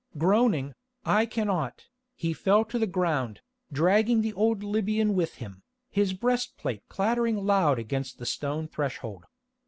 Groaning, "I cannot," he fell to the ground, dragging the old Libyan with him, his breastplate clattering loud against the stone threshold.